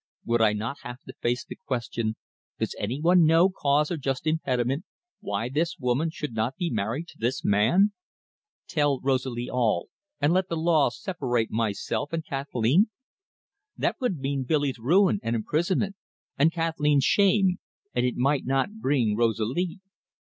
Would I not have to face the question, Does any one know cause or just impediment why this woman should not be married to this man? Tell Rosalie all, and let the law separate myself and Kathleen? That would mean Billy's ruin and imprisonment, and Kathleen's shame, and it might not bring Rosalir.